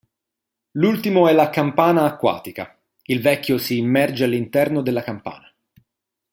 L'ultimo è la Campana Acquatica: il vecchio si immerge all'interno della campana.